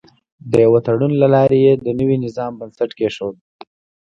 د یوه تړون له لارې یې د نوي نظام بنسټ کېښود.